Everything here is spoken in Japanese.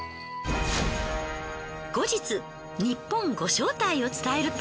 後日ニッポンご招待を伝えると。